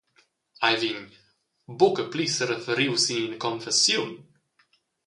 Ei vegni buca pli sereferiu sin ina confessiun.